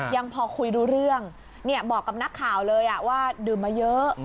ยังพอคุยรู้เรื่องบอกกับนักข่าวเลยว่าดื่มมาเยอะ